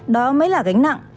đó mới là gánh nặng